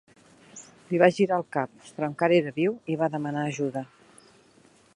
Li va girar el cap, però encara era viu i va demanar ajuda.